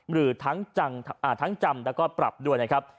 หรือทั้งจำแล้วก็ปรับด้วยนะครับ